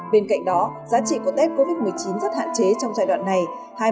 bên cạnh đó giá trị của tết covid một mươi chín rất hạn chế trong giai đoạn này